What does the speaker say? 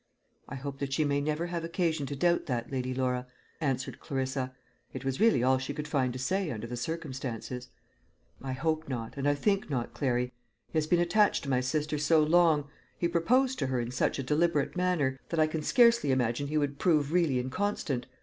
"I hope that she may never have occasion to doubt that, Lady Laura," answered Clarissa. It was really all she could find to say under the circumstances. "I hope not, and I think not, Clary. He has been attached to my sister so long he proposed to her in such a deliberate manner that I can scarcely imagine he would prove really inconstant.